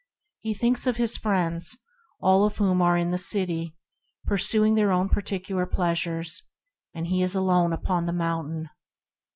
He thinks of his friends, all of whom are in the city, pursuing their own particular pleasures; and he is alone upon the mountain.